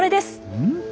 うん？